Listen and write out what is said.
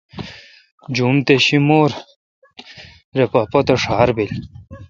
جوم تے شیمور اے پا پتہ ڄھار بیل۔